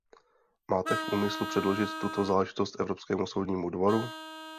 Máte v úmyslu předložit tuto záležitost Evropskému soudnímu dvoru?